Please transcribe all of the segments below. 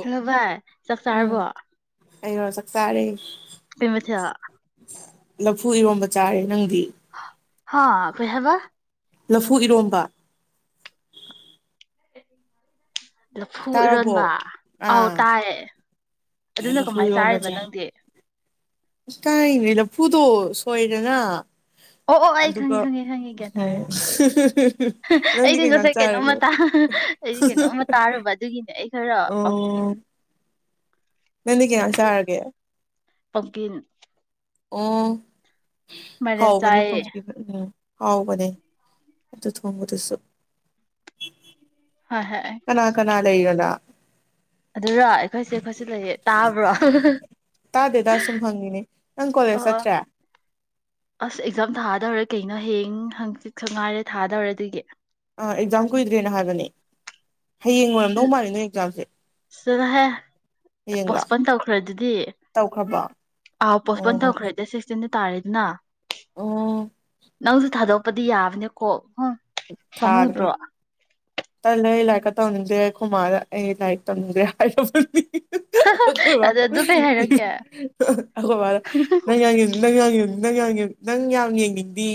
Hello ꯚꯥꯏ ꯆꯥꯛ ꯆꯥꯔꯕꯣ ꯑꯩꯉꯣꯟ ꯆꯥꯛ ꯆꯥꯔ ꯀꯩ ꯃꯊꯦꯜ ꯂꯐꯨ ꯏꯔꯣꯝꯕ ꯆꯥꯔꯦ ꯅꯪꯗꯤ ꯍꯥꯥ ꯣꯏꯍꯕ ꯂꯐꯨ ꯏꯔꯣꯝꯕ ꯑꯦ ꯂꯐꯨ ꯇꯥꯔꯕꯣ ꯏꯔꯣꯟꯕ ꯑꯥꯎ ꯑꯥ ꯇꯥꯏꯌꯦ ꯑꯗꯨꯅ ꯀꯃꯥꯏꯅ ꯆꯥꯔꯤꯕ ꯅꯪꯗꯤ ꯀꯅꯦ ꯂꯐꯨꯗꯣ ꯁꯣꯏꯗꯅ ꯑꯣ ꯑꯣ ꯑꯩ ꯑꯗꯨꯒ ꯈꯪꯉꯦ ꯈꯪꯉꯦ ꯈꯪꯉꯦ ꯒ ꯍꯥꯏꯇꯥꯔꯦ ꯎꯝ ꯅꯪꯗꯤ ꯑꯩꯗꯤ ꯀꯩ ꯏꯟꯖꯥꯡ ꯉꯁꯥꯏ ꯆꯥꯔꯒꯦ ꯀꯩꯅꯣꯝꯃ ꯑꯩꯗꯤ ꯀꯩꯅꯣꯝꯃ ꯇꯥꯔꯨꯕ ꯑꯗꯨꯒꯤꯅꯦ ꯑꯩ ꯈꯔ ꯄꯝꯊ ꯃꯅꯤ ꯀꯦ ꯉꯥꯡꯁꯔꯒꯦ ꯄꯪꯀꯤ ꯑꯣ ꯍꯥꯎ ꯃꯅꯤ ꯆꯥꯏꯌꯦ ꯐꯁꯤ ꯎꯝ ꯍꯥꯎꯕꯅꯦ ꯑꯗꯨ ꯊꯣꯡꯕꯗꯨꯁꯨ ꯍꯣꯏ ꯍꯣꯏ ꯂꯩꯒꯗ ꯑꯗꯨꯔ ꯑꯩꯈꯣꯏꯁꯦ ꯑꯩꯈꯣꯏꯁꯨ ꯂꯩꯌꯦ ꯇꯥꯕ꯭ꯔꯣ ꯇꯥꯗꯦꯗ ꯁꯨꯝ ꯍꯪꯉꯤꯅꯦ ꯅꯪ ꯀꯣꯂꯦꯖ ꯑꯣ ꯆꯠꯇ꯭ꯔꯦ ꯑꯁ ꯑꯦꯛꯖꯥꯝ ꯊꯥꯗꯧꯔ ꯀꯩꯅꯣ ꯍꯌꯦꯡ ꯍꯪꯆꯤ ꯁꯪ ꯉꯥꯏꯔꯦ ꯊꯥꯗꯧꯔꯦ ꯑꯗꯨꯗꯒꯤ ꯑꯦꯛꯖꯥꯝ ꯀꯨꯏꯗ꯭ꯔꯦꯅ ꯍꯥꯏꯕꯅꯤ ꯍꯌꯦꯡ ꯑꯣꯏꯣꯏꯔꯝꯗꯧ ꯃꯥꯜꯂꯤꯅꯦ ꯑꯦꯛꯖꯥꯝꯁꯦ ꯆꯗ ꯍꯥꯏꯦ ꯍꯌꯦꯡꯂꯣ ꯄꯣꯁꯄꯣꯟ ꯇꯧꯈ꯭ꯔꯦ ꯑꯗꯨꯗꯤ ꯇꯧꯈ꯭ꯔꯕꯣ ꯑꯥꯎ ꯄꯣꯁꯄꯣꯟ ꯑꯣ ꯇꯧꯈ꯭ꯔꯦꯗꯤ ꯁꯤꯛꯁꯇꯤꯟ ꯇꯥꯔꯦꯠꯅ ꯑꯣ ꯅꯪꯁꯨ ꯊꯥꯗꯣ ꯑꯗꯤ ꯌꯥꯕꯅꯦ ꯀꯣ ꯊꯥꯔ꯭ꯔꯦ ꯇꯜꯂ ꯑꯩ ꯂꯥꯏꯀ ꯇꯝꯗ꯭ꯔꯦ ꯈꯨꯃꯥ ꯑꯩ ꯂꯥꯏꯔꯤꯛ ꯇꯝꯗ꯭ꯔꯦ ꯍꯥꯏꯗꯤ ꯑꯩꯈꯣꯏ ꯑꯗ ꯑꯗꯨ ꯀꯩ ꯍꯥꯏꯔꯛꯀꯦ ꯑꯩꯈꯣꯏ ꯅꯪꯒꯤ ꯅꯪꯒꯤ ꯅꯪ ꯌꯥꯝ ꯅꯪ ꯌꯥꯝ ꯌꯦꯡꯅꯤꯡꯗꯤ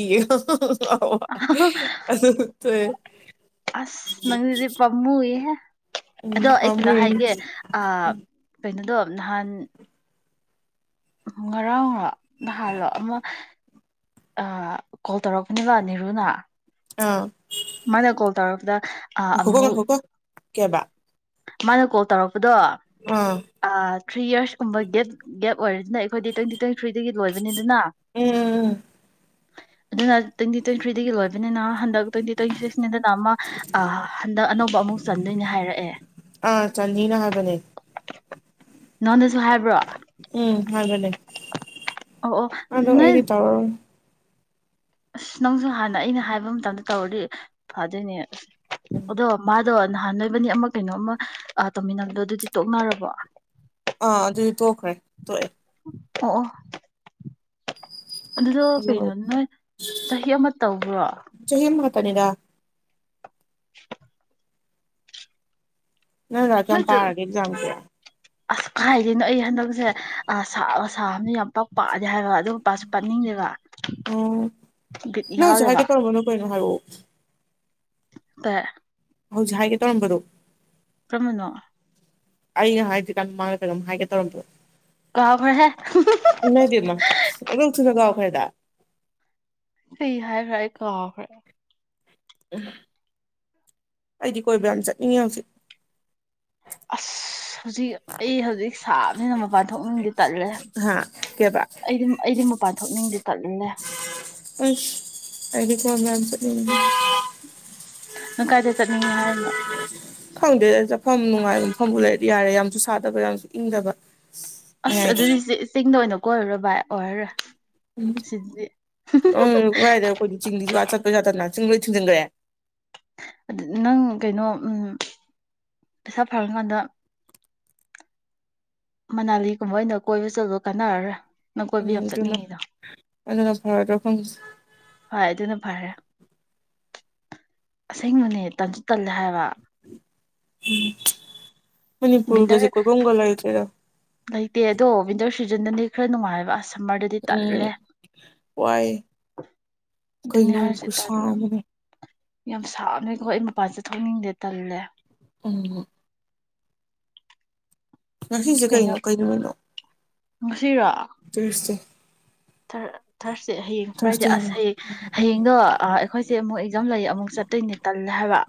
ꯑ ꯑꯗꯨꯦ ꯅꯪꯅꯤꯗꯤ ꯄꯃꯨꯒꯤ ꯍꯥꯏ ꯎꯝ ꯑꯗꯣ ꯑꯩ ꯀꯩꯅꯣ ꯄꯥꯝꯃꯨꯏ ꯍꯥꯏꯒꯦ ꯑ ꯀꯩꯅꯣꯗꯣ ꯅꯍꯥꯟ ꯉꯔꯥꯡꯔ ꯍꯂꯣ ꯑꯃ ꯑ ꯀꯣꯜ ꯇꯧꯔꯛꯄꯅꯦꯕ ꯅꯤꯔꯨꯅ ꯑꯥ ꯃꯥꯅ ꯀꯣꯜ ꯇꯧꯔꯕꯗ ꯑꯃꯨꯛ ꯀꯦꯕ ꯃꯥ ꯀꯣ ꯇꯔꯛ ꯑꯗꯣ ꯑꯥ ꯊ꯭ꯔꯤ ꯌꯔꯁꯀꯨꯝꯕ ꯒꯦꯞ ꯒꯦꯞ ꯑꯣꯏꯔꯁꯤꯅ ꯑꯩꯈꯣꯏꯗꯤ ꯇ꯭ꯋꯦꯟꯇꯤ ꯇ꯭ꯋꯦꯟꯇꯤ ꯊ꯭ꯔꯤꯗꯒꯤ ꯂꯣꯏꯕꯅꯤꯗꯅ ꯎꯝ ꯎꯝ ꯎꯝ ꯑꯗꯨꯅ ꯇ꯭ꯋꯦꯟꯇꯤ ꯇ꯭ꯋꯦꯟꯇꯤ ꯊ꯭ꯔꯤꯗꯒꯤ ꯂꯣꯏꯕꯅꯤꯅ ꯍꯟꯗꯛ ꯇ꯭ꯋꯦꯟꯇꯤ ꯇ꯭ꯋꯦꯟꯇꯤ ꯁꯤꯛꯁꯅꯤꯗꯅ ꯑꯃ ꯍꯟꯗꯛ ꯑꯅꯧꯕ ꯑꯃꯨꯛ ꯆꯟꯗꯣꯏꯅꯦ ꯍꯥꯏꯔꯛꯑꯦ ꯑꯥ ꯆꯥꯟꯅꯤꯅ ꯍꯥꯏꯕꯅꯦ ꯅꯣꯟ ꯎꯝ ꯍꯥꯏꯅꯦꯦ ꯑꯣ ꯑꯣ ꯅꯣꯏ ꯇꯧꯔꯔꯣꯏ ꯑꯁ ꯅꯪꯁꯨ ꯍꯥꯟꯅ ꯑꯩꯅ ꯍꯥꯏꯕ ꯃꯇꯝꯗ ꯇꯧꯔꯗꯤ ꯐꯗꯣꯏꯅꯦ ꯑꯁ ꯎꯝ ꯑꯣꯗꯣ ꯃꯥ ꯑꯗꯣ ꯅꯍꯥꯟ ꯅꯣꯏꯕꯅꯤ ꯑꯃ ꯀꯩꯅꯣ ꯑꯃ ꯇꯧꯃꯤꯟꯅꯕꯗꯣ ꯑꯗꯨꯗꯤ ꯇꯣꯛꯅꯔꯕꯣ ꯑꯥ ꯑꯗꯨꯗꯤ ꯇ ꯊꯣꯛꯈ꯭ꯔꯦ ꯇꯣꯛꯑꯦ ꯑꯣꯑꯣ ꯑꯗꯨꯗꯣ ꯑꯗꯨ ꯀꯩꯅꯣ ꯅꯣꯏ ꯆꯍꯤ ꯑꯃ ꯇꯧꯕ꯭ꯔꯣ ꯆꯍꯤ ꯑꯃ ꯈꯛꯇꯅꯤꯗ [unintelligible] ꯅ ꯅꯥꯛ ꯑꯗꯨ ꯌꯥꯝ ꯅꯣꯏꯗꯣ ꯄꯔꯒꯖꯝ ꯀ ꯑꯁ ꯀꯥꯏꯗꯅꯣ ꯑꯩ ꯍꯟꯗꯛꯁꯦ ꯁꯥꯕ ꯌꯥꯝ ꯄꯥꯛ ꯄꯥꯗꯦ ꯍꯥꯏꯔ ꯑꯗꯨ ꯃꯄꯥꯁꯨ ꯄꯥꯅꯤꯡꯗꯦꯕ ꯎꯝ ꯕꯤꯠ ꯅꯪ ꯍꯧꯖꯤꯛ ꯌꯥꯎꯗꯕ ꯍꯥꯏꯒꯦ ꯇꯧꯔꯝꯕꯅꯣ ꯀꯩꯅꯣ ꯍꯥꯏꯔꯛꯑꯣ ꯇ ꯍꯧꯖꯤꯛ ꯍꯥꯏꯒꯦ ꯇꯧꯔꯝꯕꯗꯣ ꯀꯃꯅꯣ ꯑꯩꯅ ꯍꯥꯏꯗꯤ ꯀꯥꯟ ꯃꯥꯡꯉꯝ ꯍꯥꯏꯒꯦ ꯇꯧꯔꯣ ꯀꯥꯎꯈ꯭ꯔꯦꯍꯦ ꯅ ꯃ ꯑꯣ ꯂ ꯊ ꯅꯒꯕ ꯐꯥꯏꯗ ꯀꯩ ꯍꯥꯏ ꯐ꯭ꯔꯦ ꯀꯣ ꯐꯔꯦ ꯑꯩꯗꯤ ꯀꯣꯏꯕ ꯌꯥꯝ ꯆꯠꯅꯤꯡꯉꯦ ꯍꯧꯖꯤꯛ ꯑꯁ ꯍꯧꯖꯤꯛ ꯑꯩ ꯍꯧꯖꯤꯛ ꯁꯥꯕꯅꯤꯅ ꯃꯄꯥꯟ ꯊꯣꯛꯅꯤꯡꯗꯦ ꯇꯠꯂꯦ ꯍꯥ ꯀꯩꯕ ꯑꯩꯗꯤ ꯑꯩꯗꯤ ꯃꯄꯥꯟ ꯊꯣꯛꯅꯤꯡꯗꯦ ꯀꯟꯅ ꯑꯁ ꯑꯩꯗꯤ ꯀ ꯃꯌꯥꯝ ꯑ ꯈꯪꯗꯦ ꯆꯠꯐꯝ ꯅꯨꯡꯉꯥꯏꯕ ꯃꯐꯝꯕꯨ ꯂꯩꯔꯗꯤ ꯌꯥꯔꯦ ꯌꯥꯝ ꯌꯝꯁꯨ ꯁꯥꯗꯕ ꯌꯥꯝꯁꯨ ꯏꯪꯗꯕ ꯑꯁ ꯃꯌꯥꯏꯗꯣ ꯑꯗꯨꯗꯤ ꯆꯤꯡꯗ ꯑꯣꯏꯅ ꯀꯣꯏꯔꯨꯔꯣ ꯚꯥꯏ ꯑꯣꯏꯔꯔꯣꯏ ꯎꯝ ꯁꯤꯗꯤ ꯀꯗꯥꯏꯗ ꯑꯩꯈꯣꯏ ꯆꯤꯡꯗꯤ ꯀꯥ ꯆꯠꯇꯣꯏꯕ ꯅꯆꯤꯡ ꯂꯣꯏ ꯊꯤꯡꯖꯤꯟꯈ꯭ꯔꯦ ꯑꯗꯨ ꯅꯪ ꯀꯩꯅꯣ ꯎ ꯄꯩꯁꯥ ꯐꯔꯀꯥꯟꯗ ꯃꯅꯥꯂꯤꯒꯨꯝꯕ ꯑꯣꯏꯅ ꯀꯣꯏꯕ ꯆꯠꯂꯣ ꯀꯥꯟꯅꯔꯔꯣꯏ ꯅꯪ ꯎꯝ ꯀꯣꯏꯕ ꯌꯥꯝ ꯑꯗꯨꯅ ꯆꯠꯅꯤꯡꯉꯤꯗꯣ ꯑꯗꯨꯅ ꯐꯥꯔꯗ꯭ꯔ ꯈꯪꯗꯦ ꯍꯣꯏ ꯑꯗꯨꯅ ꯐꯔꯦ ꯑꯁꯦꯡꯕꯅꯦ ꯇꯟꯁꯨ ꯇꯜꯂꯦ ꯍꯥꯏꯕ ꯎꯝ ꯃꯅꯤꯄꯨꯔꯒꯁꯦ ꯋꯤꯟꯇꯔ ꯀꯣꯏꯕꯝꯒ ꯂꯩꯇ꯭ꯔꯦꯗ ꯁꯤꯖꯟꯗꯗꯤ ꯈꯔ ꯅꯨꯡꯉꯥꯏꯕ ꯑꯁ ꯁꯝꯃꯔꯗꯗꯤ ꯇꯜꯂꯦ ꯎꯝ ꯋꯥꯏ ꯑꯗꯨꯅꯦ ꯀꯩꯅꯣ ꯍꯥꯏꯔꯤꯁꯦ ꯈꯨꯁꯥ ꯇꯜꯂꯦ ꯑꯃꯅꯦ ꯌꯥꯝ ꯁꯥꯡꯅꯀꯣ ꯑꯩ ꯃꯄꯥꯟ ꯊꯣꯛꯅꯤꯡꯗꯦ ꯇꯜꯂꯦ ꯎꯝ ꯉꯁꯤꯁꯦ ꯀꯩꯅꯣ ꯀꯩ ꯅꯨꯣꯃꯤꯠꯅꯣ ꯎꯝ ꯇꯨꯏꯗꯦ ꯊꯥꯔꯁꯗꯦꯅꯦ ꯍꯌꯦꯡ ꯐ꯭ꯔꯥꯏꯗꯦ ꯊ꯭ꯔꯁꯗꯦ ꯑꯁ ꯍꯌꯦꯡ ꯍꯌꯦꯡꯗꯣ ꯑꯩꯈꯣꯏ ꯆꯦ ꯃꯣꯏ ꯑꯦꯛꯖꯝ ꯂꯩ ꯑꯃꯨꯛ ꯆꯠꯇꯣꯏꯅꯦ ꯇꯜꯂꯦ ꯍꯥꯏꯕ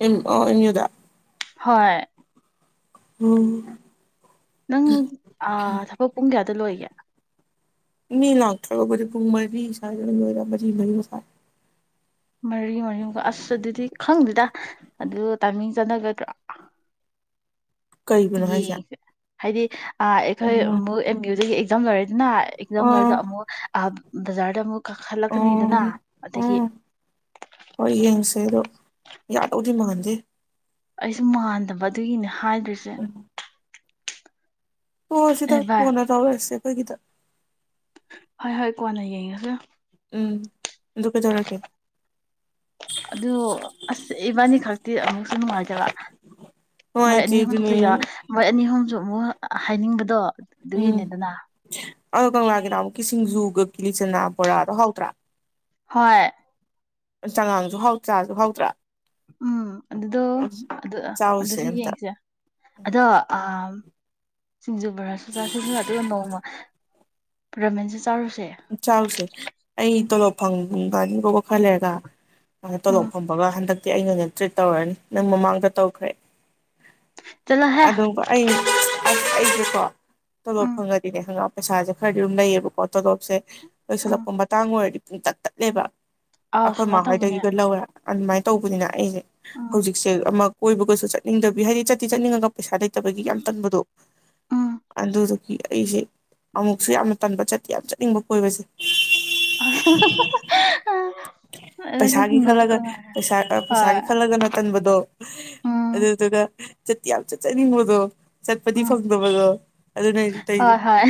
ꯑꯦꯝ ꯑꯣ ꯑꯦꯝ ꯌꯨꯗ ꯍꯣꯏ ꯎꯝ ꯅꯪ ꯊꯕꯛ ꯄꯨꯡ ꯀꯌꯥꯗ ꯂꯣꯏꯒꯦ ꯃꯤ ꯂꯥꯛꯇ꯭ꯔꯕꯨꯗꯤ ꯄꯨꯡ ꯃꯔꯤ ꯁꯥꯏꯗ ꯑꯗꯨꯝ ꯂꯣꯏꯔꯦ ꯃꯔꯤ ꯃꯔꯤꯃꯈꯥꯏ ꯃꯔꯤ ꯃꯔꯤꯃꯈꯥꯏ ꯑꯁ ꯑꯗꯨꯗꯤ ꯈꯪꯗꯦꯗ ꯑꯗꯨ ꯇꯥꯏꯃꯤꯡ ꯆꯅꯒꯗ꯭ꯔꯥ ꯀꯒꯤꯅꯣ ꯍꯥꯏꯁꯦ ꯍꯥꯏꯗꯤ ꯑꯣ ꯑꯩꯈꯣꯏ ꯑꯃꯨꯛ ꯑꯦꯛꯖꯝ ꯂꯣꯏꯔ ꯅ ꯑꯦꯛꯖꯝ ꯂꯣꯏꯔꯒ ꯑꯥ ꯑꯃꯨꯛ ꯕꯖꯥꯔꯗ ꯑꯃꯨꯛ ꯀꯥꯈꯠꯂꯛꯀꯅꯤꯗꯅ ꯑꯣ ꯑꯗꯒꯤ ꯎꯝ ꯍꯣꯏ ꯌꯦꯡꯁꯦ ꯑꯗꯣ ꯌꯥꯗꯧꯗꯤ ꯃꯟꯗꯦ ꯑꯩꯁꯨ ꯃꯥꯟꯗꯕ ꯑꯗꯨꯒꯤꯅꯦ ꯍꯥꯏꯗꯣꯏꯁ ꯍ ꯁꯤꯗ ꯚꯥꯏ ꯀꯣꯅ ꯇꯣꯔꯁꯦ ꯑꯩꯈꯣꯏꯒꯤꯗ ꯍꯣꯏ ꯍꯣꯏ ꯀꯣꯟꯅꯥ ꯌꯦꯅꯒꯥꯁꯦ꯫ ꯎꯝ ꯂ ꯀꯗꯔꯀꯦ ꯑꯗꯨ ꯑꯁ ꯏꯕꯥꯅꯤ ꯈꯛꯇꯤ ꯑꯃꯨꯛꯁꯨ ꯅꯨꯡꯉꯥꯏꯖꯕ ꯃꯣꯏ ꯅꯨꯡꯉꯥꯏꯇꯦ ꯑꯅꯤ ꯑꯍꯨꯝꯁꯨ ꯑꯗꯨꯅꯦ ꯌꯥꯎ ꯃꯣꯏ ꯑꯅꯤ ꯑꯍꯨꯝꯁꯨ ꯑꯃꯨꯛ ꯍꯥꯏꯅꯤꯡꯕꯗ ꯗꯣ ꯎꯝ ꯑꯗꯨꯒꯤꯅꯤꯗꯅ ꯑꯗꯣ ꯀꯪꯂꯥꯒꯤꯅ ꯑꯃꯨꯛꯀꯤ ꯁꯤꯡꯖꯨꯒ ꯀꯤꯂꯤꯆꯅꯥ ꯕꯣꯔꯥꯗꯣ ꯍꯥꯎꯗ꯭ꯔꯥ ꯍꯣꯏ ꯆꯉꯥꯡꯁꯨ ꯍꯥꯎ ꯆ꯭ꯔꯥꯁꯨ ꯍꯥꯎꯗ꯭ꯔꯥ ꯎꯝ ꯑꯗꯨꯗꯣ ꯑꯗꯨ ꯆꯥꯎꯁꯦ ꯑꯗꯨꯁꯨ ꯑꯝꯇ ꯌꯦꯡꯁꯦ ꯑꯗꯣ ꯑ ꯁꯤꯡꯖꯨ ꯕꯔꯥ ꯆꯨ ꯆꯥꯁꯤꯡꯖ ꯑꯗꯨꯒ ꯅꯣꯡꯃ ꯔꯣꯃꯦꯟꯖꯁ ꯆꯥꯎꯁꯦ ꯑ ꯐꯪꯕꯅꯤꯒꯣꯕ ꯈꯔꯂꯦꯒ ꯁꯥꯏꯅ ꯇꯣꯂꯣ ꯎꯝ ꯐꯝꯕꯒ ꯍꯟꯗꯛ ꯏ ꯏꯅꯥ ꯑꯦꯟ. ꯖꯤ ꯇ꯭ꯔꯤꯠ ꯇꯥꯑꯣꯔꯥꯅꯤ ꯑꯦꯟ. ꯖꯤ. ꯃꯥꯡꯗꯥ ꯇꯥꯑꯣꯒ꯭ꯔꯦ꯫ ꯆꯠꯂꯣꯍꯦ [inaudible] ꯀꯣ ꯇꯣꯂꯣꯞ ꯎꯝ ꯐꯪꯉꯗꯤꯅꯦ ꯍꯪꯒꯥꯝ ꯄꯩꯁꯥꯁꯦ ꯈꯔꯗꯤ ꯑꯗꯨꯝ ꯂꯩꯌꯦꯕꯀꯣ ꯇꯣꯂꯣꯞ [inaudible] ꯎꯝ ꯂꯣꯏꯁꯤꯜꯂꯛꯄ ꯃꯇꯥꯡ ꯑꯣꯏꯔꯗꯤ ꯄꯨꯡ ꯇꯥꯠ ꯇꯥꯇꯂꯦꯕꯥ꯫ ꯑꯥꯎ ꯑꯈꯣꯏ ꯃꯥ ꯁꯨꯃꯥꯏꯅ ꯑꯣꯏ ꯇꯧꯕꯅꯦ ꯗꯥꯒꯤ ꯒꯥ ꯂꯋꯦ꯫ ꯑꯗꯨꯃꯥꯏꯅ ꯇꯧꯕꯅꯤꯅ ꯑꯩꯁꯦ ꯎꯝ ꯍꯧꯖꯤꯛꯁꯦ ꯑꯃꯨꯛ ꯑꯣꯏꯕꯒꯁꯨ ꯆꯠꯅꯤꯡꯗꯕꯤ ꯍꯥꯏꯗꯤ ꯆꯠꯇꯤ ꯆꯠꯅꯤꯡꯉꯒ ꯄꯦꯏꯁꯥ ꯂꯦꯏꯇꯥꯕꯥꯒꯤ ꯌꯥꯝ ꯇꯥꯅꯕꯥ ꯗꯨ ꯎꯝ ꯑꯗꯨꯗꯨ꯫ ꯑꯩꯁꯦ ꯑꯃꯨꯛꯁꯨ ꯌꯥꯝꯅ ꯇꯟꯕ ꯆꯠꯇꯦ ꯌꯥꯝ ꯆꯦ ꯅꯤꯡꯅꯤꯡꯕ ꯀꯣꯏꯕꯁꯦ ꯑ ꯄꯩꯁꯥꯒꯤ ꯈꯜꯂꯒ ꯉꯥꯏꯔꯦ ꯄꯩꯁꯥ ꯍꯣꯏ ꯄꯩꯁꯥꯒꯤ ꯈꯜꯂꯒꯅ ꯇꯟꯕꯗꯣ ꯎꯝ ꯑꯗꯨꯗꯨꯒ ꯆꯇꯤꯌꯥꯜ ꯆ ꯆꯅꯤ ꯃꯗꯨꯣ ꯆꯠꯄꯗꯤ ꯎꯝ ꯐꯪꯗꯕꯒ ꯍꯣꯏ ꯍꯣꯏ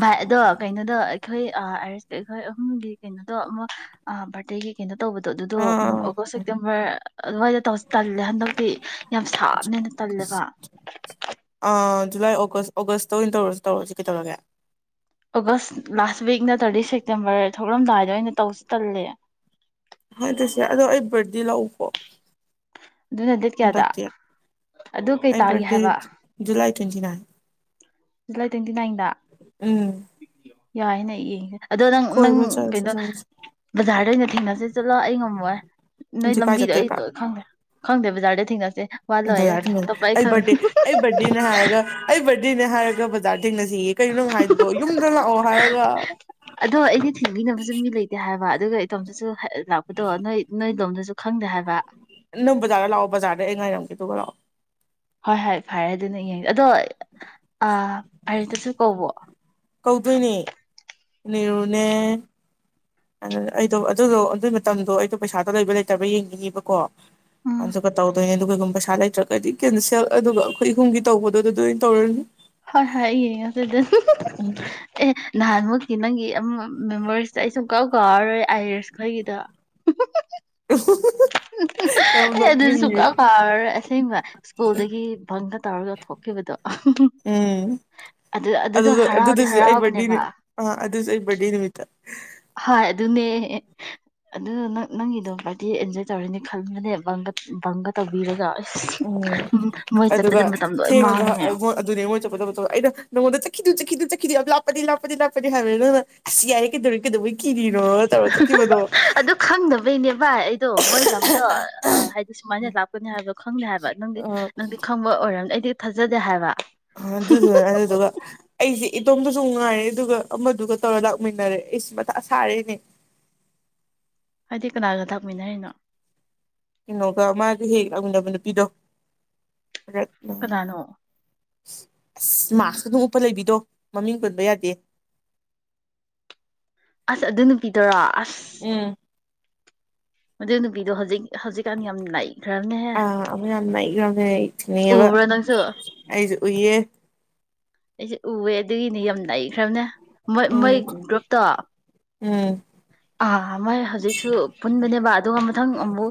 ꯚꯥꯏ ꯑꯗꯣ ꯀꯩꯅꯣꯗꯣ ꯑꯩꯈꯣꯏ ꯑꯔꯤꯁ ꯑꯩꯈꯣꯏ ꯑꯍꯨꯝꯒꯤ ꯀꯩꯅꯣꯗꯣ ꯑꯃꯨꯛ ꯕꯥꯔꯊꯗꯦꯒꯤ ꯀꯩꯅꯣ ꯇꯧꯕꯗꯣ ꯑꯗꯨꯗꯣ ꯑꯥ ꯑꯣꯒꯁ ꯁꯦꯞꯇꯦꯝꯕꯔ ꯑꯗꯨꯋꯥꯏꯗ ꯇꯧ ꯇꯜꯂꯦ ꯍꯟꯗꯛꯇꯤ ꯌꯥꯝ ꯁꯥꯞꯅꯅ ꯇꯜꯂꯦꯕ ꯑꯥ ꯖꯨꯂꯥꯏ ꯑꯣꯒꯁ ꯑꯣꯒꯁꯇ ꯑꯣꯏꯅ ꯇꯧꯔꯁꯨ ꯇꯧꯔꯁꯤ ꯀꯩ ꯇꯧꯔꯒꯦ ꯑꯣꯒꯁ ꯂꯥꯁ ꯋꯤꯛꯅꯠꯇꯥꯔꯇꯤ ꯁꯦꯞꯇꯦꯝꯕꯔ ꯊꯣꯛꯂꯝꯗꯥꯏꯗ ꯑꯣꯏꯅ ꯇꯧꯁꯤ ꯇꯜꯂꯦ ꯍꯣꯏ ꯇ ꯁꯤ ꯑꯗꯣ ꯑꯩꯕ ꯗꯤꯜꯍꯧꯄ ꯑꯗꯨꯅ ꯗꯦꯠ ꯀꯌꯥꯗ ꯑꯗꯨ ꯀꯩ ꯑꯩ ꯇꯥꯒꯦ ꯕꯥꯔꯗꯦ ꯍꯥꯏꯕ ꯖꯨꯂꯥꯏ ꯇ꯭ꯋꯦꯟꯇꯤ ꯅꯥꯏꯟ ꯨꯂꯥꯏ ꯇꯤꯟ ꯏꯗ ꯎꯝ ꯌꯥꯏꯅ ꯌꯦꯡꯒꯦ ꯑꯗꯣ ꯅꯪ ꯅꯪ ꯀꯣꯏꯕ ꯆꯠꯂꯁꯦ ꯀꯩꯅꯣ ꯆꯠꯂꯁꯦ ꯕꯖꯥꯔꯗꯩꯅ ꯊꯦꯡꯦ ꯆꯠꯂ ꯑꯩ ꯉꯝꯃꯣꯏ ꯅꯣꯏ ꯑꯗꯨ ꯀꯥꯏ ꯂꯝꯕꯤꯗꯣ ꯑꯩ ꯆꯠꯇꯣꯏꯕ ꯂꯣꯏ ꯈꯪꯗꯦ ꯈꯪꯗꯦ ꯕꯖꯥꯔ ꯊꯦꯡꯉꯁꯦ ꯕꯖꯥꯔ ꯊꯦ ꯑꯩ ꯕꯥꯔꯗꯦ ꯑꯩ ꯕꯥꯔꯊꯗꯦꯅꯦ ꯍꯥꯏꯔꯒ ꯑꯩ ꯕꯥꯔꯊꯗꯦꯅꯦ ꯍꯥꯏꯔꯒ ꯕꯖꯥꯔ ꯊꯦꯡꯅꯁꯤꯌꯦ ꯀꯩꯅꯣꯅꯨꯡ ꯍꯥꯏꯥꯏꯗꯨꯕꯣ ꯌꯨꯝꯗ ꯂꯥꯛꯑꯣ ꯍꯥꯏꯔꯒ ꯑꯗꯣ ꯑꯩꯗꯤ ꯊꯤꯟꯕꯤꯅꯕꯁꯨ ꯃꯤ ꯂꯩꯇꯦ ꯍꯥꯏꯕ ꯑꯗꯨꯒ ꯏꯇꯣꯝꯇꯁꯨ ꯂꯥꯛꯄꯗ ꯅꯣꯏ ꯅꯣꯏ ꯀꯝꯗ ꯁꯨ ꯈꯪꯗꯦ ꯍꯥꯏꯕ ꯅꯪ ꯕꯖꯥꯔꯗ ꯂꯥꯛꯑꯣ ꯕꯖꯥꯔꯗ ꯑꯩ ꯉꯥꯏꯔꯝꯒꯦ ꯑꯗꯨꯒ ꯂꯥꯛꯑꯣ ꯍꯣꯏ ꯍꯣꯏ ꯐꯔꯦ ꯑꯗꯨꯅꯦ ꯌꯦꯡꯒꯦ ꯑꯗꯣ ꯑ ꯑꯔꯤꯠꯇꯁꯨ ꯀꯧꯕꯣ ꯀꯧꯗꯣꯏꯅꯦ ꯑꯗꯨ ꯑꯩꯗꯣ ꯑꯗꯨꯗꯣ ꯑꯗꯨꯒꯤ ꯃꯇꯝꯗꯣ ꯑꯩꯗꯣ ꯄꯩꯁꯥꯗꯣ ꯂꯩꯕ ꯂꯩꯇꯕ ꯌꯦꯡꯅꯤꯡꯉꯤꯕꯀꯣ ꯎꯝ ꯑꯟꯁꯨ ꯀ ꯇꯥꯎꯗꯣ ꯑꯗꯨꯒ ꯀꯩꯒꯨꯝꯕ ꯄꯩꯁꯥ ꯂꯩꯇ꯭ꯔꯒꯗꯤ ꯀꯦꯟ ꯁꯦꯜ ꯑꯗꯨꯒ ꯑꯩꯈꯣꯏ ꯏꯍꯨꯝꯒꯤ ꯇꯧꯕꯗꯣ ꯑꯗꯨ ꯑꯗꯨꯣꯏꯅ ꯇꯧꯔꯅꯤ ꯍꯣꯏ ꯍꯉ ꯑꯗꯨꯗ ꯑꯦ ꯅꯍꯥꯟꯃꯨꯀꯤꯤ ꯅꯪꯒꯤ ꯃꯦꯃꯣꯔꯤꯁꯇ ꯑꯩ ꯁꯨꯝ ꯀꯥꯎ ꯀꯥꯎꯔꯔꯣꯏ ꯑꯥꯏꯔꯤꯁ ꯈꯩꯒꯤꯗ [unintelligible] ꯌꯥꯝ ꯑꯦ ꯑꯗꯨꯗꯤ ꯅꯣꯛꯅꯤꯡꯉꯦ ꯁꯨꯡꯀꯥ ꯀꯥꯔ ꯑꯁꯦꯡꯕ ꯁ꯭ꯀꯨꯜꯗꯒꯤ ꯕꯪꯒ ꯇꯧꯔꯒ ꯊꯣꯛꯈꯤꯕꯗꯣ ꯎꯝ ꯑꯗꯨ ꯑꯗꯨꯗꯣ ꯑꯗꯨꯗ ꯍꯔꯥꯎꯗꯤ ꯍꯔꯥꯎꯕꯅꯦꯕ ꯗꯤ ꯅꯨꯃꯤꯠꯇ ꯍꯥꯏ ꯑꯗꯨꯅꯦ ꯑꯗꯨ ꯅꯪꯒꯤꯗꯣ ꯄꯔꯇꯤ ꯑꯦꯟꯖꯣꯏ ꯇꯧꯔꯅꯦ ꯈꯟꯕꯅꯦ ꯕꯪꯒ ꯕꯪꯒ ꯇꯧꯕꯤꯔꯒ ꯑꯁ ꯎꯝ ꯃꯣꯏ ꯑꯗꯨꯒ ꯆꯠꯄꯗ ꯃꯇꯝ ꯂꯣꯏ ꯊꯦꯡꯉꯒ ꯃꯥꯡꯉꯦ ꯑꯗꯨꯅꯦ ꯑꯩꯉꯣꯏꯗ ꯆꯠꯄꯗꯕ ꯑꯩꯅ ꯅꯪꯉꯣꯟꯗ ꯆꯈꯤꯗꯨ ꯆꯗꯨ ꯂꯥꯛꯄꯗꯤ ꯂꯥꯛꯄꯗꯤ ꯂꯥꯛꯄꯗꯤ ꯍꯥꯟꯅ ꯌꯥꯏꯌꯦ ꯀꯩꯗꯧ ꯀꯩꯗꯧ ꯑꯗꯨ ꯈꯪꯗꯅꯕꯩꯅꯦ ꯚꯥꯏ ꯑꯩꯗꯣ ꯃꯣꯏ ꯂꯝꯗꯣ ꯍꯥꯏꯗꯤ ꯁꯨꯃꯥꯏꯅ ꯂꯥꯛꯀꯅꯤ ꯍꯥꯏꯕ ꯈꯪꯗꯦ ꯍꯥꯏꯕ ꯅꯪꯗꯤ ꯑ ꯅꯪꯗꯤ ꯈꯪꯕ ꯑꯣꯏꯔꯝꯅꯤ ꯑꯩꯗꯤ ꯊꯥꯖꯗꯦ ꯍꯥꯏꯕ ꯑꯗꯨꯗꯨꯅꯦ ꯑꯗꯨꯗꯨꯒ ꯑꯩꯁꯤꯦ ꯏꯇꯣꯝꯗꯁꯨ ꯉꯥꯏꯔꯦ ꯑꯗꯨꯒ ꯑꯃꯗꯨꯒ ꯇꯧꯔ ꯂꯥꯛꯃꯤꯟꯅꯔꯦ ꯑꯩꯁꯤ ꯃꯊꯥ ꯁꯥꯔꯅꯦ ꯍꯥꯏꯗꯤ ꯀꯅꯥꯒ ꯇꯥꯛꯃꯤꯟꯅꯔꯤꯅꯣ ꯀꯩꯅꯣꯒ ꯃꯥꯁ ꯍꯦꯛꯦꯛ ꯂꯥꯛꯃꯤꯟꯅꯕ ꯅꯨꯄꯤꯗꯣ ꯔꯠꯅ ꯀꯅꯥꯅꯣ ꯑꯁ ꯃꯁ ꯑꯗꯨꯝ ꯎꯞꯄ ꯂꯩꯕꯤꯗꯣ ꯃꯃꯤꯡ ꯄꯨꯟꯕ ꯌꯥꯗꯦ ꯑꯁ ꯑꯗꯨꯅ ꯄꯤꯗꯔ ꯑꯁ ꯎꯝ ꯑꯗꯨ ꯑꯗꯨ ꯄꯤꯗꯣ ꯍꯧꯖꯤꯛ ꯍꯧꯖꯤꯛꯀꯥꯟ ꯌꯥꯝ ꯂꯩꯈ꯭ꯔꯕꯅꯦꯍꯦ ꯑꯥ ꯑꯃ ꯌꯥꯝ ꯅꯈ꯭ꯔꯅꯦꯈꯤꯅꯦꯕ ꯎꯕ꯭ꯔꯥ ꯅꯪꯁꯨ ꯑꯩꯁꯨ ꯎꯏꯌꯦ ꯑꯩꯁꯦ ꯎꯑꯦ ꯑꯗꯨꯒꯤꯅꯦ ꯌꯥꯝ ꯅꯅꯥꯏꯈ꯭ꯔꯕꯅꯦ ꯃꯣꯏ ꯃꯣꯏ ꯎꯝ ꯒ꯭ꯔꯨꯞꯇꯣ ꯎꯝ ꯑ ꯃꯣꯏ ꯍꯧꯖꯤꯛꯁꯨ ꯄꯨꯟꯕꯅꯦꯕ ꯑꯗꯨꯒ ꯃꯊꯪ ꯑꯃꯨꯛ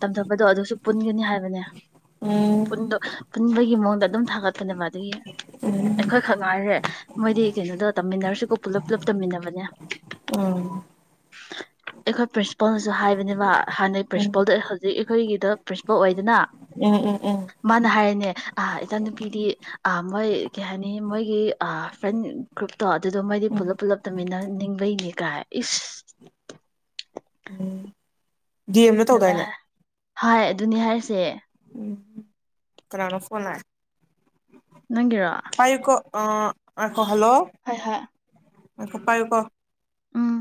ꯇꯝꯊꯕꯗꯣ ꯑꯗꯨꯁꯨ ꯄꯨꯟꯒꯅꯤ ꯍꯥꯏꯕꯅꯦ ꯎꯝ ꯄꯨꯟꯕꯒꯤ ꯃꯑꯣꯡꯗ ꯑꯗꯨꯝ ꯊꯥꯒꯠꯄꯅꯦꯕ ꯑꯗꯨꯒꯤ ꯑꯩꯈꯣꯏ ꯈꯛ ꯉꯥꯏꯔꯦ ꯃꯣꯏꯗꯤ ꯀꯩꯅꯣꯗꯣ ꯇꯝꯃꯤꯟꯅꯔꯁꯨꯀꯣ ꯄꯨꯂꯞ ꯄꯨꯂꯞ ꯇꯝꯃꯤꯟꯅꯕꯅꯦ ꯎꯝ ꯑꯩ ꯈꯣꯏ ꯄꯁ ꯏꯣꯅꯁꯨ ꯍꯥꯏꯕꯅꯦꯕ ꯍꯥꯟꯅꯩ ꯎꯝ ꯄ꯭ꯔꯤꯟꯁꯤꯄꯜꯗ ꯍꯧꯖꯤꯛ ꯑꯩꯈꯣꯏꯒꯤꯗ ꯄ꯭ꯔꯤꯟꯁꯤꯄꯜ ꯑꯣꯏꯗꯅ ꯎꯝ ꯎꯝ ꯎꯝ ꯃꯥꯅ ꯍꯥꯏꯔꯅꯦ ꯑ ꯏꯆꯥꯅꯨꯄꯤꯗꯤ ꯑ ꯃꯣꯏ ꯀꯩ ꯍꯥꯏꯅꯤ ꯃꯣꯏꯒꯤ ꯐ꯭ꯔꯦꯟ ꯒ꯭ꯔꯨꯞꯇꯣ ꯑꯗꯨꯗꯣ ꯃꯣꯏꯗꯤ ꯄꯨꯜꯂꯞ ꯄꯨꯜꯂꯞ ꯇꯨꯃꯤꯟꯅ ꯅꯤꯡꯕꯩꯅꯦ ꯀꯥꯏ ꯏꯁ ꯎꯝ ꯗꯤ ꯑꯦꯝꯅ ꯑꯗꯨꯃꯥꯏ ꯇꯧꯗꯥꯏꯅꯦ ꯍꯥꯏ ꯑꯗꯨꯅꯤ ꯍꯥꯏꯔꯤꯁꯦ ꯎꯝ ꯀꯅꯥꯅ ꯐꯅ ꯅꯪꯒꯤꯤꯔꯣ ꯑ ꯑ ꯐꯣꯂꯣ ꯑꯈꯣꯄꯥꯏꯨꯀꯣ ꯎꯝ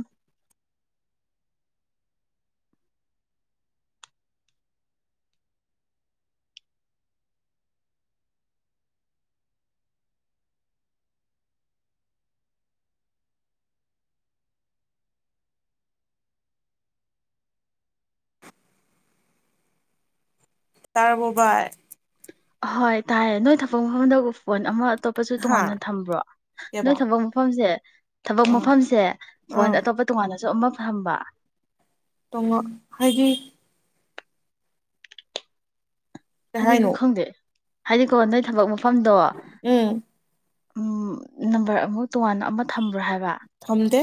ꯇꯔꯔꯕꯣꯕꯥꯥꯏ ꯍꯣꯏ ꯇꯥꯏ ꯅꯣꯏ ꯊꯛ ꯃꯐꯝꯗ ꯄꯣꯏꯟꯠ ꯑꯃ ꯑꯇꯣꯞꯄꯁꯨ ꯍꯥ ꯇꯣꯉꯥꯟꯅ ꯊꯝꯕ꯭ꯔꯣ ꯀꯩꯕ ꯅꯣꯏ ꯊꯕꯛ ꯃꯐꯝꯁꯦ ꯊꯕꯛ ꯑꯥ ꯃꯐꯝꯁꯦ ꯄꯣꯏꯟ ꯑꯥ ꯑꯇꯣꯞꯄ ꯇꯣꯉꯥꯟꯅ ꯑꯃ ꯐꯝꯕ ꯇꯣꯡꯉ ꯍꯥꯏꯗꯤ ꯀꯩ ꯍꯥꯏꯗꯤ ꯍꯥꯏꯅꯣ ꯈꯪꯗꯦ ꯍꯥꯏꯗꯤ ꯀꯣ ꯅꯣꯏ ꯊꯕꯛ ꯃꯐꯝꯗꯣ ꯎꯝ ꯎꯝ ꯅꯝꯕꯔ ꯇꯣꯉꯥꯟꯅ ꯑꯃ ꯊꯝꯕ꯭ꯔꯣ ꯍꯥꯏꯕ ꯊꯝꯗꯦ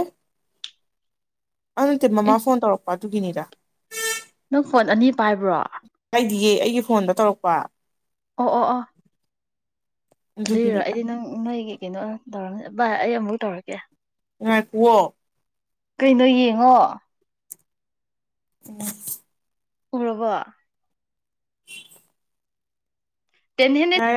ꯑꯗꯨ ꯑꯦ ꯇꯔꯃ ꯐꯣꯟ ꯇꯧꯔꯛꯄ ꯇ ꯀꯅꯤꯔ ꯅꯪ ꯐꯣꯟ ꯑꯅꯤ ꯄꯥꯏꯕ꯭ꯔꯣ ꯑꯩꯗꯤꯌꯦ ꯑꯩꯒꯤ ꯐꯣꯟꯗ ꯇꯧꯔꯛꯄ ꯑꯣ ꯑꯣ ꯑꯣ ꯑꯗꯨꯔꯣ ꯑꯗꯨꯒꯤꯅꯤꯗ ꯑꯩꯗꯤ ꯅꯪ ꯅꯥꯏ ꯀꯩꯅꯣ ꯇꯧꯔꯝꯅꯤ ꯚꯏ ꯑꯩ ꯑꯃꯨꯛ ꯇꯧꯔꯛꯀꯦ ꯎ ꯀꯍꯣ ꯀꯩꯅꯣ ꯌꯦꯡꯉꯣ ꯑ ꯔꯔꯕꯣ [unintelligible] ꯇꯦꯟ ꯍꯅꯦ ꯌꯥꯔꯦ ꯌꯥꯔꯦ